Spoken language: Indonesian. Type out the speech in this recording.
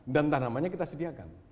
dan tanamannya kita sediakan